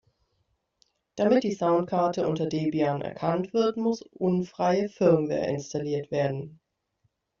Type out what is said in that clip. Damit die Soundkarte unter Debian erkannt wird, muss unfreie Firmware installiert werden.